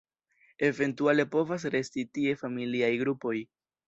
Eventuale povas resti tie familiaj grupoj.